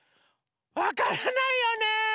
わからないよね。